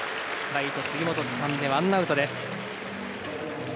ライト、杉本がつかんでワンアウト。